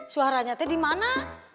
suaranya teteh di mana